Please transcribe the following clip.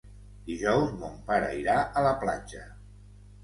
Dijous mon pare irà a la platja.